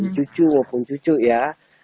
ibu dengan cucu ya